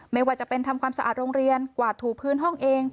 ไม่ว่าจะเป็นทำความสะอาดโรงเรียนกวาดถูพื้นห้องเอง